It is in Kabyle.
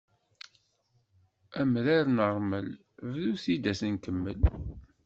Amrar n ṛṛmel bdu-t-id ad t-nkemmel!